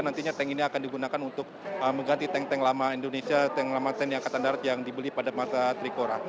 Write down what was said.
nantinya tank ini akan digunakan untuk mengganti tank tank lama indonesia tank lama tni angkatan darat yang dibeli pada masa trikora